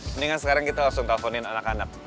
mendingan sekarang kita langsung telponin anak anak